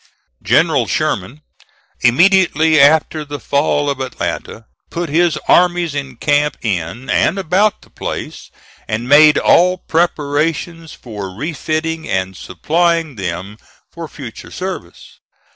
General Sherman, immediately after the fall of Atlanta, put his armies in camp in and about the place, and made all preparations for refitting and supplying them for future service.